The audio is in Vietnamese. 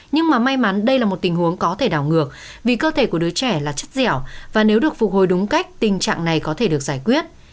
nhưng mà may mắn đây là một tình huống có thể đảo ngược vì cơ thể của đứa trẻ là chất dẻo và nếu được phục hồi đúng cách tình trạng này có thể được giải quyết